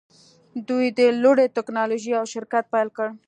دوی د لوړې ټیکنالوژۍ یو شرکت پیل کړ